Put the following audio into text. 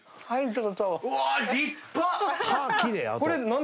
はい。